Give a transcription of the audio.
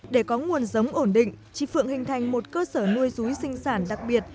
để có nguồn sống ổn định chị phượng hình thành một cơ sở nuôi rúi sinh sản đặc biệt